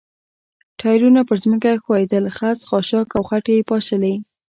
ټایرونه پر ځمکه ښویېدل، خس، خاشاک او خټې یې پاشلې.